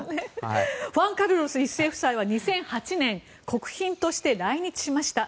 フアン・カルロス１世夫妻は２００８年国賓として来日しました。